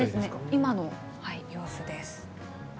今の様子です。